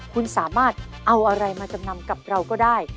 คุณสามารถเอาอะไรมาจำนำกับเราก็ได้